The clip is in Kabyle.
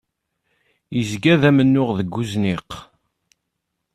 Yezga d amennuɣ deg uzniq.